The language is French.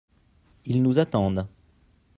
Ils nous attendent.